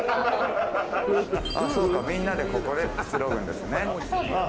みんなでここで、くつろぐんですね。